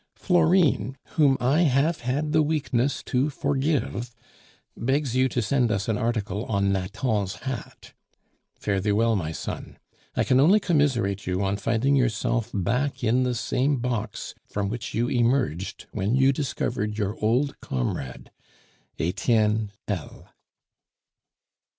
Florine, whom I have had the weakness to forgive, begs you to send us an article on Nathan's hat. Fare thee well, my son. I can only commiserate you on finding yourself back in the same box from which you emerged when you discovered your old comrade. "ETIENNE L."